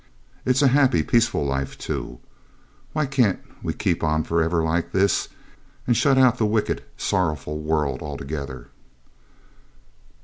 It's a happy, peaceful life, too. Why can't we keep on for ever like this, and shut out the wicked, sorrowful world altogether?'